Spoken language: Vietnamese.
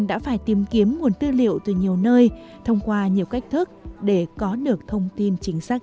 đã phải tìm kiếm nguồn tư liệu từ nhiều nơi thông qua nhiều cách thức để có được thông tin chính xác